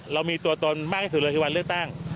เรามีตัวตนมากที่สุดเลยคือวันเลือกตั้ง